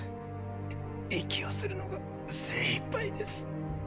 い息をするのが精いっぱいです。